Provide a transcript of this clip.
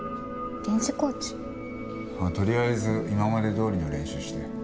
とりあえず今までどおりの練習して。